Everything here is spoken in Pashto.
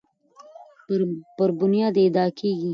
پر بنیاد ادعا کیږي